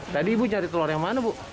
tadi ibu cari telur yang mana bu